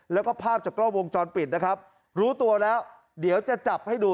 แล้วก็ภาพจากกล้องวงจรปิดนะครับรู้ตัวแล้วเดี๋ยวจะจับให้ดู